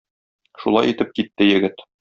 Шулай итеп китте егет.